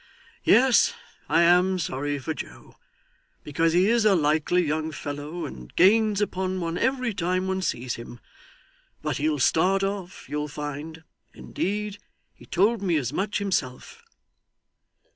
Yes, I am sorry for Joe, because he is a likely young fellow, and gains upon one every time one sees him. But he'll start off, you'll find. Indeed he told me as much himself!